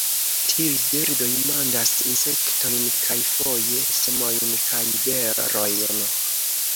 Tiuj birdoj manĝas insektojn kaj foje semojn kaj berojn.